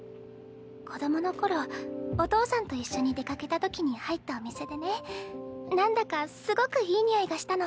子どもの頃お父さんと一緒に出かけたときに入ったお店でねなんだかすごくいい匂いがしたの。